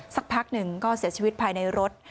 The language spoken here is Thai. สักพักหนึ่งก็เสียชีวิตภายในรถ